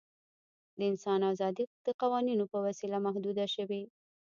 د انسان آزادي د قوانینو په وسیله محدوده شوې.